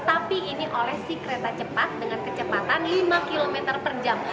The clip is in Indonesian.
tapi ini oleh si kereta cepat dengan kecepatan lima km per jam